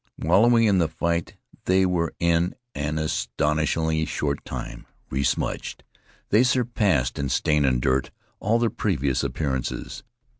Wallowing in the fight, they were in an astonishingly short time resmudged. They surpassed in stain and dirt all their previous appearances.